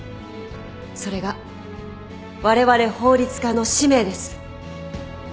それがわれわれ法律家の使命です。